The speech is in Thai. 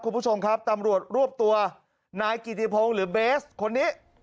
คุณผู้ชมครับตำรวจรวบตัวนายกิติพงศ์หรือเบสคนนี้